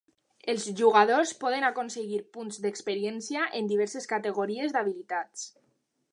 Els jugadors poden aconseguir punts d'experiència en diverses categories d'habilitats.